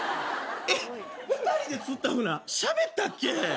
２人で釣ったフナしゃべったっけ？